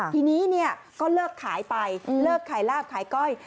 ทีนี้ก็เลิกขายไปเลิกขายลาบขายก้อย